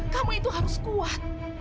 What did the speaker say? kamu itu harus kuat